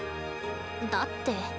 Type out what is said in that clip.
だって。